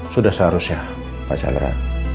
sudah seharusnya pak chandra